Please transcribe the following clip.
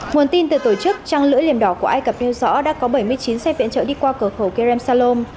nguồn tin từ tổ chức trăng lưỡi liềm đỏ của ai cập nêu rõ đã có bảy mươi chín xe viện trợ đi qua cửa khẩu kerem salom